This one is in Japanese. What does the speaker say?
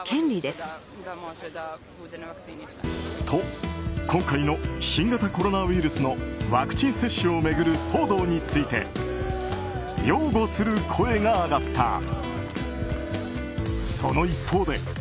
と、今回の新型コロナウイルスのワクチン接種を巡る騒動について擁護する声が上がった。